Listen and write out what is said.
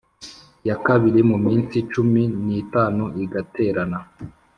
ya kabiri mu minsi cumi n itanu igaterana